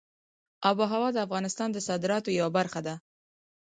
آب وهوا د افغانستان د صادراتو یوه برخه ده.